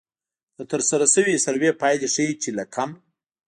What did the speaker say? د ترسره شوې سروې پایلې ښيي چې له کم